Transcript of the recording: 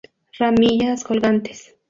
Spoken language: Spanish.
Ramillas colgantes.